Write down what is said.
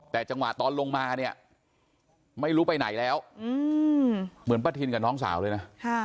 แต่จังหวะตอนลงมาเนี่ยไม่รู้ไปไหนแล้วเหมือนป้าทินกับน้องสาวเลยนะ